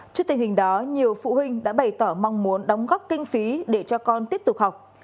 trước tình hình đó nhiều phụ huynh đã bày tỏ mong muốn đóng góp kinh phí để cho con tiếp tục học